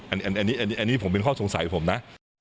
อันนี้ผมเป็นข้อสงสัยผมนะ